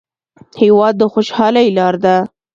هېواد د خوشحالۍ لار ده.